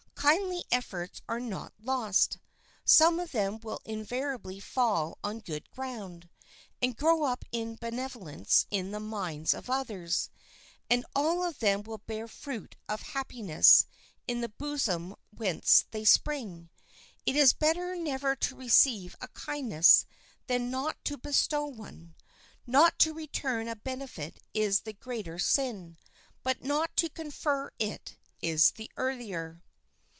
Kindly efforts are not lost. Some of them will inevitably fall on good ground, and grow up into benevolence in the minds of others, and all of them will bear fruit of happiness in the bosom whence they spring. It is better never to receive a kindness than not to bestow one. Not to return a benefit is the greater sin, but not to confer it is the earlier.